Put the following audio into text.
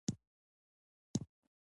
د پلان ناکامي په اړه